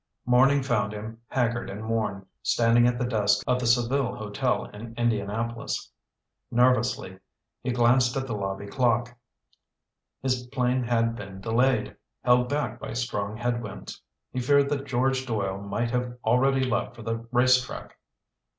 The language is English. Morning found him, haggard and worn, standing at the desk of the Seville Hotel in Indianapolis. Nervously he glanced at the lobby clock. His plane had been delayed, held back by strong headwinds. He feared that George Doyle might have already left for the race track.